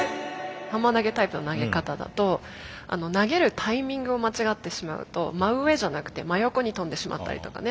ハンマー投げタイプの投げ方だと投げるタイミングを間違ってしまうと真上じゃなくて真横に跳んでしまったりとかね。